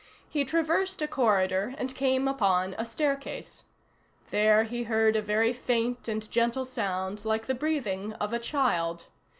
He traversed a corridor and came upon a staircase. There he heard a very faint and gentle sound like the breathing of a child.